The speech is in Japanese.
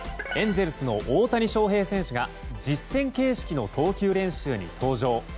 エンゼルスの大谷翔平選手が実戦形式の投球練習に登場。